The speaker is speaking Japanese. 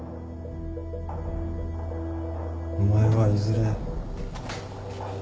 お前はいずれ。